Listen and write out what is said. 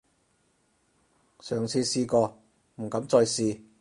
上次試過，唔敢再試